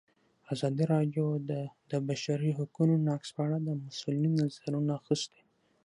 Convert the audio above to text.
ازادي راډیو د د بشري حقونو نقض په اړه د مسؤلینو نظرونه اخیستي.